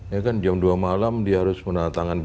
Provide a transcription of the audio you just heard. ya kan jam dua malam dia harus menandatangan bap